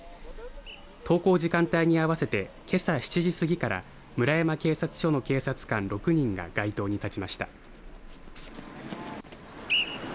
登校時間帯に合わせてけさ７時過ぎから村山警察署の警察官６人が街頭に立ちました。